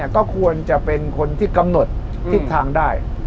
ก็ควรจะเป็นคนที่กำหนดทิศทางได้